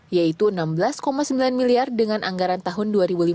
yaitu rp enam belas sembilan miliar dengan anggaran tahun dua ribu lima belas